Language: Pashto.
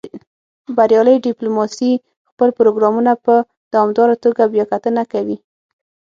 بریالۍ ډیپلوماسي خپل پروګرامونه په دوامداره توګه بیاکتنه کوي